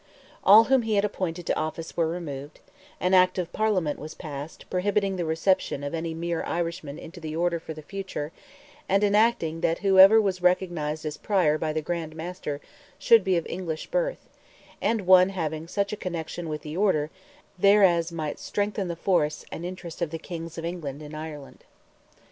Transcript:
All whom he had appointed to office were removed; an Act of Parliament was passed, prohibiting the reception of any "mere Irishman" into the Order for the future, and enacting that whoever was recognized as Prior by the Grand Master should be of English birth, and one having such a connection with the Order there as might strengthen the force and interest of the Kings of England in Ireland.